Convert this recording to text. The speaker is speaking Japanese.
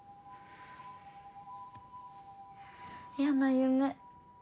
嫌な夢。